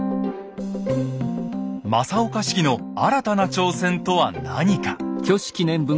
正岡子規の新たな挑戦とは何か。